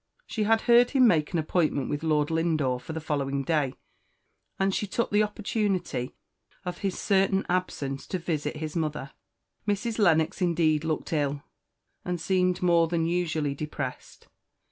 She had heard him make an appointment with Lord Lindore for the following day, and she took the opportunity of his certain absence to visit his mother. Mrs. Lennox, indeed, looked ill, and seemed more than usually depressed.